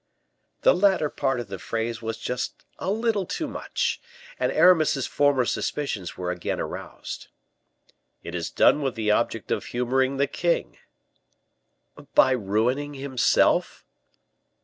The latter part of the phrase was just a little too much, and Aramis's former suspicions were again aroused. "It is done with the object of humoring the king." "By ruining himself?"